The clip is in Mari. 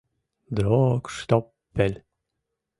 — Дроогштоппель!..